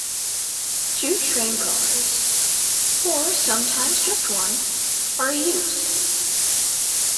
Two train cars, or sometimes just one, are used.